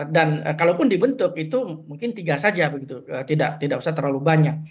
dan kalaupun dibentuk itu mungkin tiga saja begitu tidak usah terlalu banyak